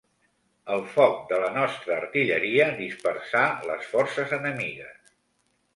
El foc de la nostra artilleria dispersà les forces enemigues.